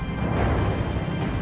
aku akan mencari kamu